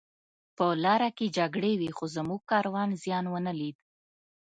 په لاره کې جګړې وې خو زموږ کاروان زیان ونه لید